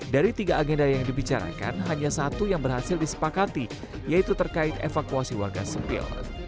dari tiga agenda yang dibicarakan hanya satu yang berhasil disepakati yaitu terkait evakuasi warga sipil